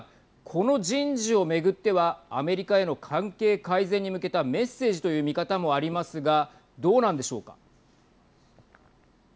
この人事を巡ってはアメリカへの関係改善に向けたメッセージという見方もありますがどうなんでしょうか。